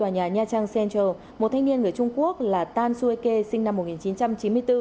nha trang center một thanh niên người trung quốc là tan suike sinh năm một nghìn chín trăm chín mươi bốn